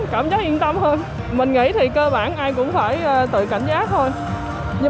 cảm giác yên tâm hơn mình nghĩ thì cơ bản ai cũng phải tự cảnh giác thôi